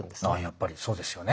やっぱりそうですよね。